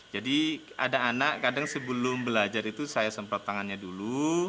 jadi ada anak kadang sebelum belajar itu saya semprot tangannya dulu